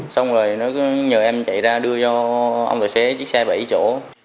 xong rồi nó nhờ em chạy ra đưa cho ông tài xế chiếc xe bảy chỗ